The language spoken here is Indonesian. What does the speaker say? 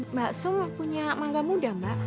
mbak sum punya mangga muda mbak